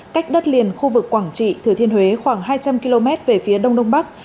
cách đất liền khu vực quảng trị thừa thiên huế khoảng hai trăm linh km về phía đông đông bắc